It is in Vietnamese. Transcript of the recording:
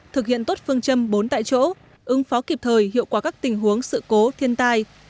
thực hiện tốt phương châm bốn tại chỗ ứng phó kịp thời hiệu quả các tình huống sự cố thiên tai